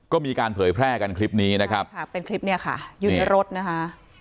ก็มีการเผยแพร่กันคลิปนี้นะครับค่ะเป็นคลิปเนี่ยค่ะอยู่ในรถนะคะ